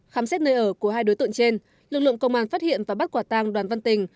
khám xét nơi ở của hai đối tượng trên lực lượng công an phát hiện và bắt quả tang đoàn văn tình